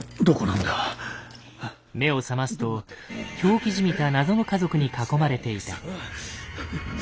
目を覚ますと狂気じみた謎の家族に囲まれていた。